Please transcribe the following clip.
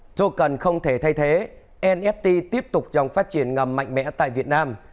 những thị trường có thể thay thế nft tiếp tục dòng phát triển ngầm mạnh mẽ tại việt nam